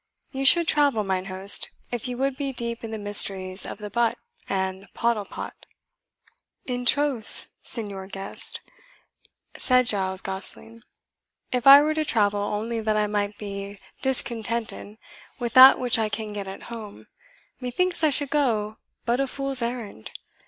You should travel, mine host, if you would be deep in the mysteries of the butt and pottle pot." "In troth, Signior Guest," said Giles Gosling, "if I were to travel only that I might be discontented with that which I can get at home, methinks I should go but on a fool's errand.